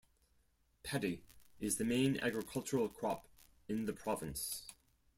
Paddy is the main agricultural crop in the province.